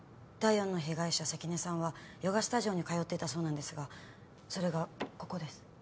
第４の被害者関根さんはヨガスタジオに通ってたそうなんですがそれがここです。